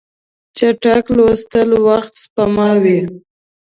چټک لوستل وخت سپموي.